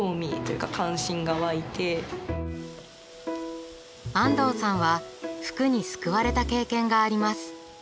安藤さんは服に救われた経験があります。